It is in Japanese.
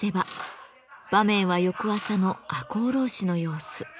場面は翌朝の赤穂浪士の様子。